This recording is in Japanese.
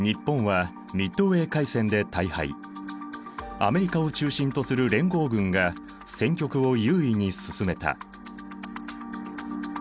アメリカを中心とする連合軍が戦局を優位に進めた。